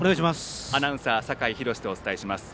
アナウンサー酒井博司でお伝えします。